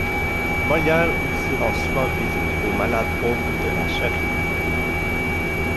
Molière aussi rend souvent visite aux malades pauvres de la Charité.